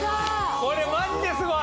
これマジですごい！